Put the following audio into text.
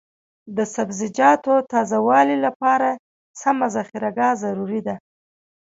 د سبزیجاتو تازه والي لپاره سمه ذخیره ګاه ضروري ده.